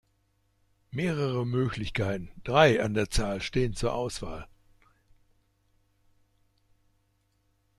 Mehrere Möglichkeiten, drei an der Zahl, stehen zur Auswahl.